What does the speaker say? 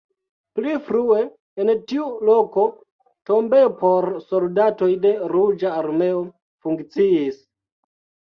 Pli frue en tiu loko tombejo por soldatoj de Ruĝa Armeo funkciis.